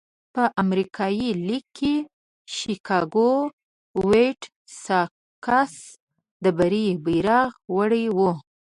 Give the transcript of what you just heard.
په امریکایي لېګ کې شکاګو وایټ ساکس د بري بیرغ وړی وو.